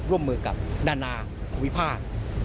ร่วมมือกับนานาวิภาพ